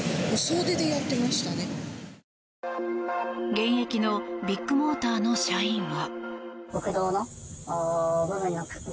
現役のビッグモーターの社員は。